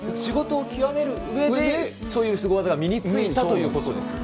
仕事を究めるうえでそういうスゴ技が身についたということですよね。